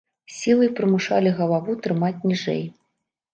Сілай прымушалі галаву трымаць ніжэй.